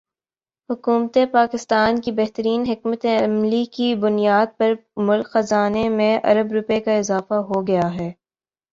حکومت پاکستان کی بہترین حکمت عملی کی بنیاد پر ملکی خزانے میں ارب روپے کا اضافہ ہوگیا ہے